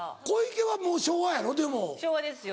昭和ですよ